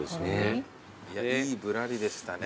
いいぶらりでしたね